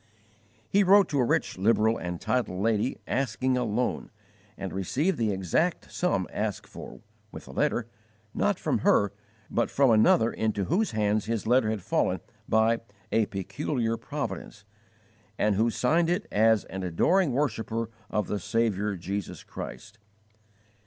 He wrote to a rich, liberal and titled lady, asking a loan, and received the exact sum asked for, with a letter, not from her, but from another into whose hands his letter had fallen by "a peculiar providence," and who signed it as "An adoring worshipper of the Saviour Jesus Christ."